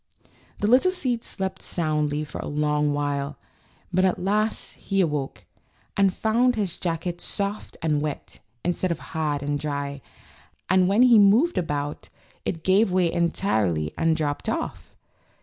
The little seed slept souiidly for a long while, but at last he awoke, and found his jacket soft and wet, instead of hard and dry, and when he moved about it gave way en tirely and dropped off.